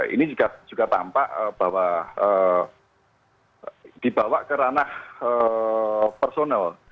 ini juga tampak bahwa dibawa ke ranah personal